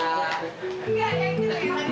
dimana ingin kita adek adek ya mati